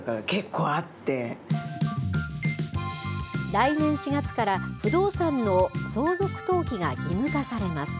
来年４月から、不動産の相続登記が義務化されます。